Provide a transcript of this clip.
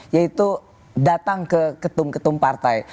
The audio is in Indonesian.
yaitu datang ke ketum ketum partai